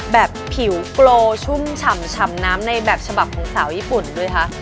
แบบผิวโปรชุ่มฉ่ำน้ำในแบบฉบับของสาวญี่ปุ่นด้วยคะ